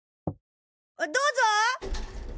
どうぞ！